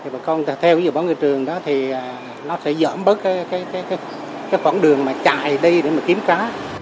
bà con theo dự báo ngư trường đó thì nó sẽ dỡm bớt khoảng đường chạy đi để kiếm cá